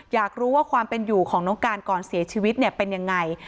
อยากรู้ว่าความเป็นอยู่ของน้องการก่อนเสียชีวิตเนี่ยเป็นยังไง